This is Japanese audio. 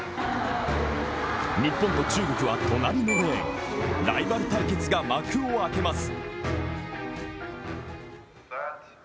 日本と中国は隣のレーン、ライバル対決が幕を開けます。